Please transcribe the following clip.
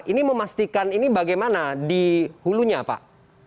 ini memastikan ini bagaimana di hulunya pak